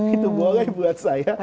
itu boleh buat saya